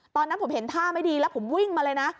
ตอนนั้นผมเห็นท่าไม่ดีแล้วผมวิ่งมาเลยนะ